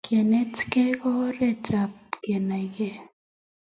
kenetkei ko oret ap kenaikei